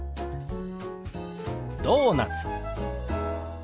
「ドーナツ」。